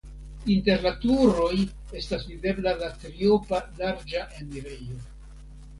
Inter la turoj estas videbla la triopa larĝa enirejo.